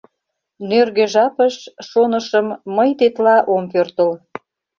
Нӧргӧ жапыш, шонышым, мый тетла ом пӧртыл.